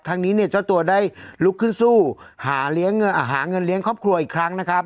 ครั้งนี้เนี่ยเจ้าตัวได้ลุกขึ้นสู้หาเงินเลี้ยงครอบครัวอีกครั้งนะครับ